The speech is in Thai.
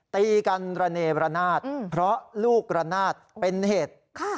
ตีกันระเนรนาศเพราะลูกระนาดเป็นเหตุ